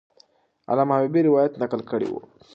علامه حبیبي روایت نقل کړی وو.